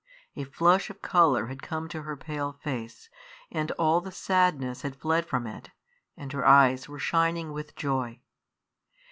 A flush of colour had come to her pale face, and all the sadness had fled from it, and her eyes were shining with joy.